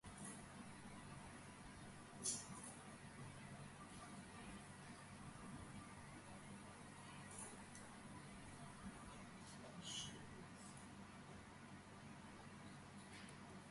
მიუხედავად მისი მაღალი ტემპერატურისა, გვირგვინი ძალიან მცირე სინათლეს ასხივებს.